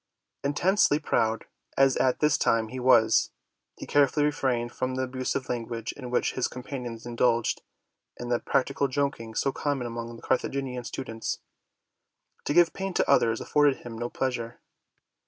Intensely proud as at this time he was, he carefully refrained from the abusive language in which his companions indulged, and the practical joking so common among the Carthaginian stu dents. To give pain to others afforded him no pleasure.